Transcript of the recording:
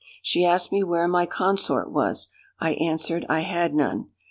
She asked me where my consort was; I answered, I had none.